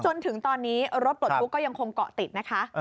จนถึงตอนนี้รถปลดทุกข์ก็ยังคงเกาะติดนะคะ